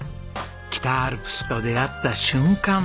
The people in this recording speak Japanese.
北アルプスと出会った瞬間